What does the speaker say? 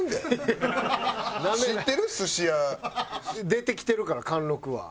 出てきてるから貫禄は。